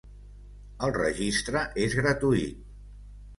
El registre es gratuït.